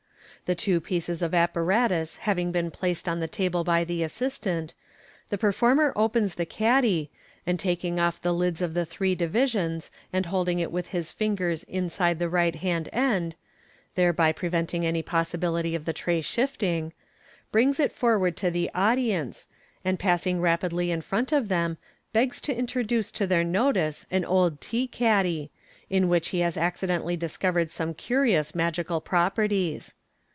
The two pieces of apparatus having been placed on the table by the assistant, the per former opens the caddy, and taking off the lids of the three divisions and holding it with his fingers inside the right hand end (thereby preventing any possibility of the tray shifting), brings it forward to the audience, and passing rapidly in front of them, begs to intro duce to their notice an old tea caddy, in which he has accidentally discovered some curious magical properties.